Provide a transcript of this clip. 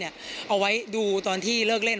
เอาไว้ดูตอนที่เลิกเล่น